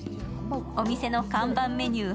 お店の看板メニュー・